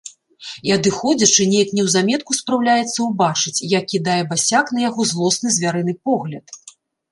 І, адыходзячы, неяк неўзаметку спраўляецца ўбачыць, як кідае басяк на яго злосны звярыны погляд.